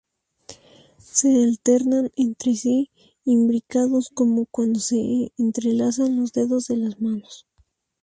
Se alternan entre sí imbricados como cuando se entrelazan los dedos de las manos.